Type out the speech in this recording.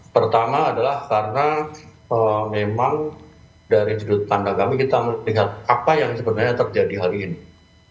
pertama adalah karena memang dari sudut tanda kami kita melihat apa yang sebenarnya terjadi hari ini